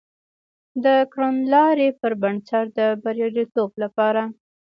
د کړنلاري پر بنسټ د بریالیتوب لپاره